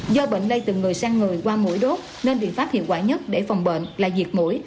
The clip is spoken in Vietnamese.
do bệnh lây từ người sang người qua mũi đốt nên biện pháp hiệu quả nhất để phòng bệnh là diệt mũi